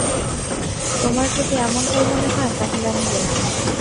তোমার যদি এমনটাই মনে হয় তাহলে আমি গেলাম।